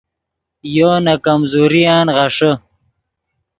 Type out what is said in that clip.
یو نے کمزورین غیݰے